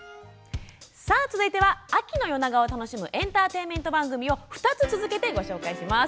続いては秋の夜長を楽しむエンターテインメント番組を２つ続けてご紹介します。